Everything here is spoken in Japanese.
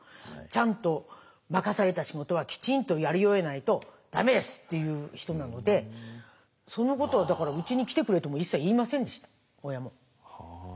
「ちゃんと任された仕事はきちんとやり終えないとだめです」っていう人なのでそのことをだから「うちに来てくれ」とも一切言いませんでした親も。